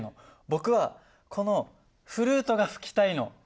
僕はこのフルートが吹きたいの！